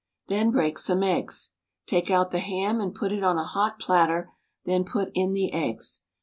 Then break some eggs. Take out the ham and put it on a hot platter, then put in the eggs.